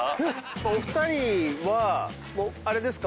⁉お二人はあれですか？